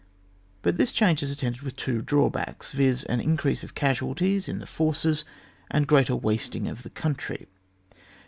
But this change is attended with two drawbacks, viz., an increase of casualties in the force, and greater wasting of the country.